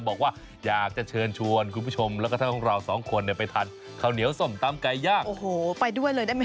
บอกว่าอยากจะเชิญชวนคุณผู้ชมแล้วก็ทั้งของเราสองคนไปทานขาวเหนียวสมตำไกลย่าง